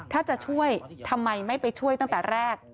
ถ้าจะช่วยทำไมไม่ไปช่วยตั้งแต่แรก